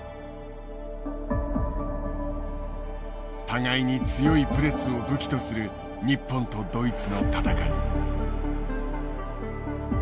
互いに強いプレスを武器とする日本とドイツの戦い。